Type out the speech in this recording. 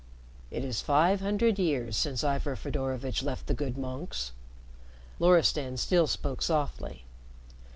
"It is five hundred years since Ivor Fedorovitch left the good monks." Loristan still spoke softly.